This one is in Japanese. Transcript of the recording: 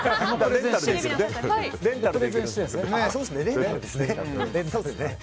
レンタルですけどね。